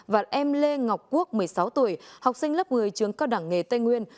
và em lê ngọc quốc một mươi sáu tuổi học sinh lớp một mươi trường cao đẳng nghề tây nguyên